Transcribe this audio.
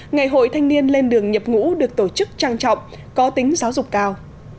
ngày hội thanh niên lên đường nhập ngũ được tổ chức trang trọng có tính giáo dục cao